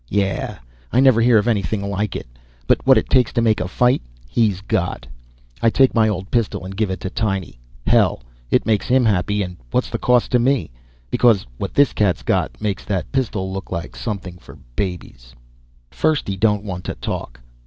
Yeah, I never hear of anything like it. But what it takes to make a fight he's got. I take my old pistol and give it to Tiny. Hell, it makes him happy and what's it cost me? Because what this cat's got makes that pistol look like something for babies. First he don't want to talk.